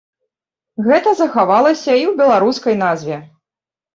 Гэта захавалася і ў беларускай назве.